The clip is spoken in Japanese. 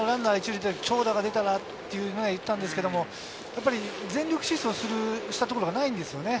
長打が出てたらと言ってたんですけど、全力疾走をしたくないんですよね。